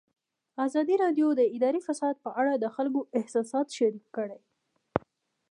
ازادي راډیو د اداري فساد په اړه د خلکو احساسات شریک کړي.